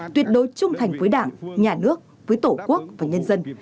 tuyệt đối trung thành với đảng nhà nước với tổ quốc và nhân dân